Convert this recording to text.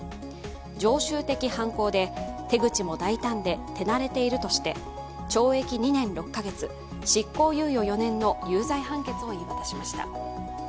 常習的犯行で、手口も大胆で手慣れているとして懲役２年６か月執行猶予４年の有罪判決を言い渡しました。